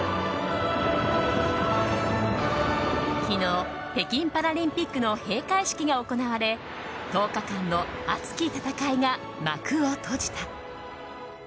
昨日、北京パラリンピックの閉会式が行われ１０日間の熱き戦いが幕を閉じた。